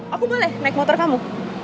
aku boleh naik motor kamu